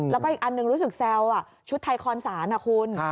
แล้วก็อีกอันหนึ่งรู้สึกแซวชุดไทยคอนศาลนะคุณ